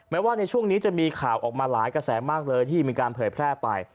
ว่าในช่วงนี้จะมีข่าวออกมาหลายกระแสมากเลยที่มีการเผยแพร่ไป